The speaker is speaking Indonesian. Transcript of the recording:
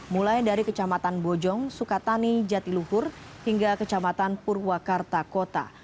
mulai dari kecamatan bojong sukatani jatiluhur hingga kecamatan purwakarta kota